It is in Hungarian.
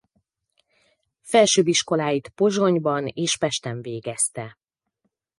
Felsőbb iskoláit Pozsonyban és Pesten végezte.